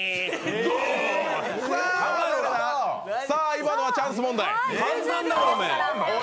今のはチャンス問題。